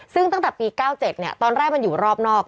ซึ่งตั้งแต่ปี๙๗ตอนแรกมันอยู่รอบนอก